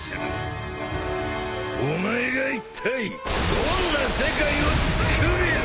お前がいったいどんな世界をつくれる！？